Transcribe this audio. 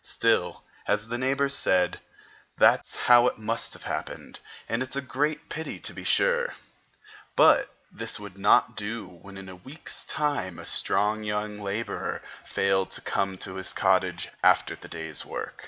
Still, as the neighbors said, "that's how it must have happened, and it's a great pity, to be sure." But this would not do when in a week's time a strong young laborer failed to come to his cottage after the day's work.